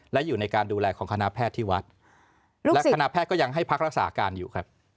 และอยู่ในการดูแลของคณะแพทย์ที่วัดและคณะแพทย์ก็ยังให้พักรักษาการอยู่ครับ